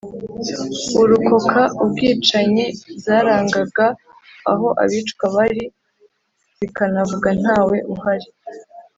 urokoka ubwicanyi Zarangaga aho abicwa bari zikanavuga ntawe uhari